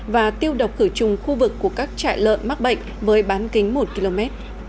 và tiêu độc khử trùng khu vực của các trại lợn mắc bệnh với bán kính một km